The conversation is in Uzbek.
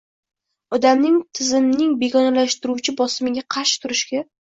odamning tizimning begonalashtiruvchi bosimiga qarshi turishga